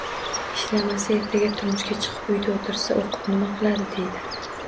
“Ishlamasa, ertaga turmushga chiqib uyda o‘tirsa, o‘qib nima qiladi?” deydi.